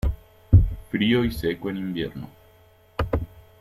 Frío y seco en invierno.